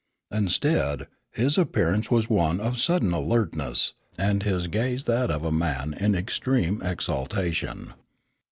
Instead, his appearance was one of sudden alertness, and his gaze that of a man in extreme exaltation.